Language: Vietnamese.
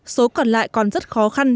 số còn lại còn rất khó khăn